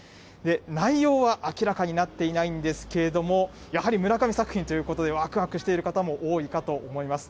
内容は明らかになっていないんですけれども、やはり村上作品ということで、わくわくしている方も多いかと思います。